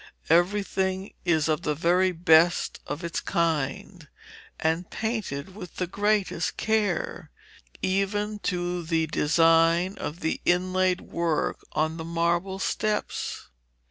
Everything is of the very best of its kind, and painted with the greatest care, even to the design of the inlaid work on the marble steps.